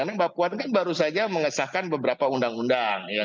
karena mbak puan kan baru saja mengesahkan beberapa undang undang